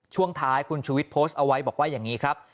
ช่วงท้ายคุณชูวิทย์โพสต์เอาไว้บอกว่าอย่างนี้ครับ